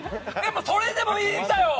それでもいいんだよ！